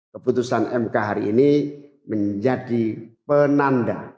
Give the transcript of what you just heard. keputusan mk hari ini menjadi penanda